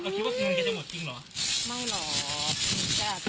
เราคิดว่ามิรุงแกจะหมดจริงหรอ